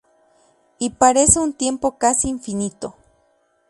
Y parece un tiempo casi infinito.